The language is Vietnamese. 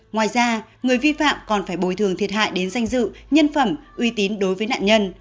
ngoài ra người vi phạm còn phải bồi thường thiệt hại đến danh dự nhân phẩm uy tín đối với nạn nhân